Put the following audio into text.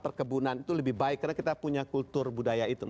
perkebunan itu lebih baik karena kita punya kultur budaya itu